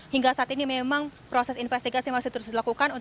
hingga saat ini memang proses investigasi masih terus dilakukan